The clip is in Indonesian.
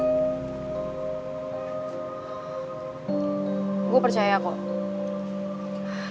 gue percaya kok lo gak perhatian sama nyokap lo